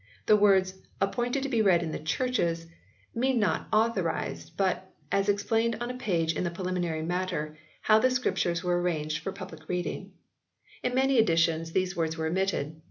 The words "Appointed to be read in Churches vi] THE AUTHORISED VERSION OF 1611 109 mean not authorised, but, as explained on a page in the preliminary matter, how the Scriptures were arranged for public reading. In many editions these words were omitted.